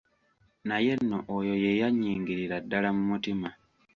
Naye nno oyo ye yannyingirira ddala mu mutima.